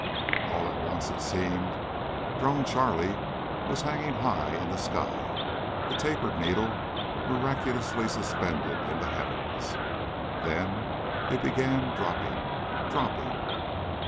All at once, it seemed, Drone Charlie was hanging high in the sky, a tapered needle miraculously suspended in the heavens. Then it began dropping ... dropping.